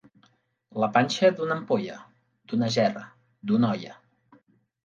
La panxa d'una ampolla, d'una gerra, d'una olla.